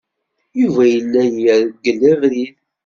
Yuba yella yergel abrid.